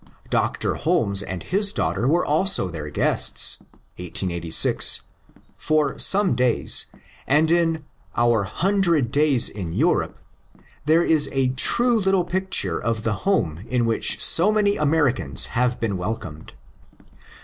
Dr. Holmes and his daughter were also their guests (1886) for some days, and in ^* Our Hundred Days in Europe " there is a true little pictare of the home in which so manr Amerioans have been welcomed.